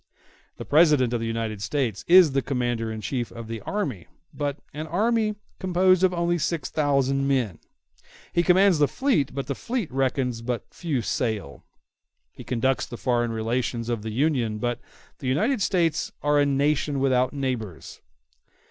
The President of the United States is the commander in chief of the army, but of an army composed of only six thousand men; he commands the fleet, but the fleet reckons but few sail; he conducts the foreign relations of the Union, but the United States are a nation without neighbors.